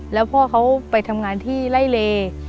แล้วพ่อเขาไปทำงานที่ไล่เล